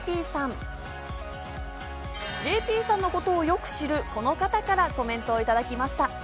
ＪＰさんのことをよく知るこの方からコメントをいただきました。